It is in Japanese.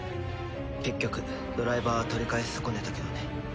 結局ドライバーは取り返し損ねたけどね。